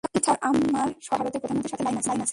Sir, আমার সরাসরি ভারতের প্রধানমন্ত্রীর সাথে লাইন আছে।